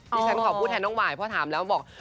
ที่ฉันขอพูดแทนน้องหวายเพราะถามแล้วบอก